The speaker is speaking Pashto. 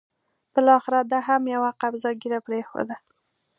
بالاخره ده هم یوه قبضه ږیره پرېښوده.